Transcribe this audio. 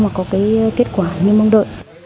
mà có cái kết quả như mong đợi